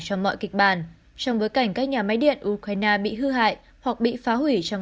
cho mọi kịch bản trong bối cảnh các nhà máy điện ukraine bị hư hại hoặc bị phá hủy trong